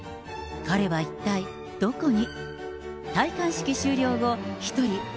彼は一体どこに。